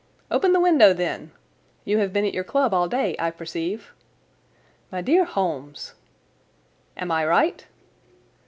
"Open the window, then! You have been at your club all day, I perceive." "My dear Holmes!" "Am I right?"